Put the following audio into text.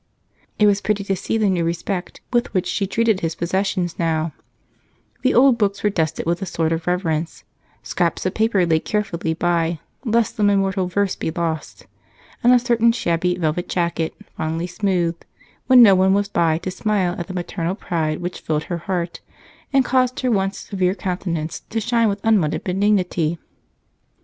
It was pretty to see the new respect with which she treated his possessions now; the old books were dusted with a sort of reverence; scraps of paper were laid carefully by lest some immortal verse be lost; and a certain shabby velvet jacket fondly smoothed when no one was by to smile at the maternal pride with filled her heart and caused her once severe countenance to shine with unwonted benignity.